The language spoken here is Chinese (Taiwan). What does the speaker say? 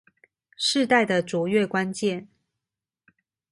世代的卓越關鍵